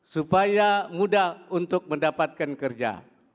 supaya mudah untuk mendapatkan kerja